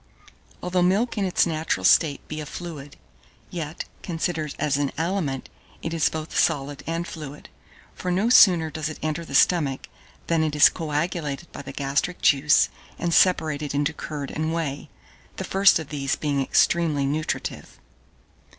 1612. Although milk in its natural state be a fluid, yet, considered as an aliment, it is both solid and fluid: for no sooner does it enter the stomach, than it is coagulated by the gastric juice, and separated into curd and whey, the first of these being extremely nutritive.